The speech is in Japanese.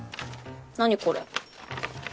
何これ。